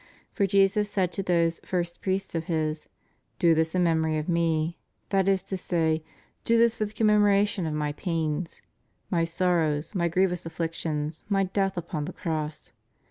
For Jesus said to those first priests of His : Do this in memory of Me; ' that is to say, do this for the commemoration of My pains. My sorrows, My grievous afflictions. My death upon the cross.